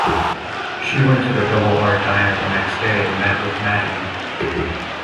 She went to the Double R Diner the next day and met with Maddy.